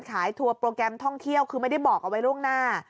ทัวร์โปรแกรมท่องเที่ยวคือไม่ได้บอกเอาไว้ล่วงหน้า